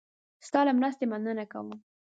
ستا له مرستې مننه کوم.